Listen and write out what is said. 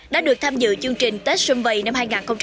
đã được tham dự chương trình tết xuân vầy năm hai nghìn hai mươi